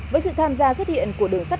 với sự tham gia xuất hiện của đường sắt